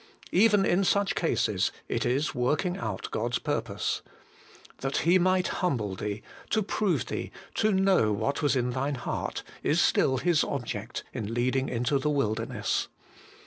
Even in such cases it is working out God's purpose. ' That He might humble thee, to prove thee, to know what was in thine heart,' is still His object in leading into the wilderness.